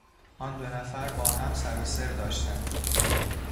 آن دو نفر با هم سر و سر داشتند.